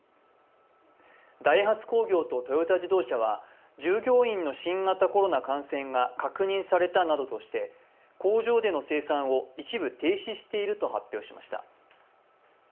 ダイハツ工業とトヨタ自動車は従業員の新型コロナ感染が確認されたなどとして、工場での生産を一部停止していると発表しました。